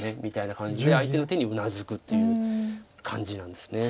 みたいな感じで相手の手にうなずくという感じなんです。